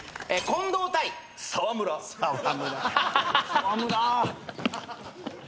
・澤村！